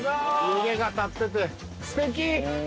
湯気が立っててステキ！